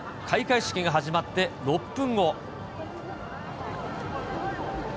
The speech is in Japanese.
開会式が始まって６分後。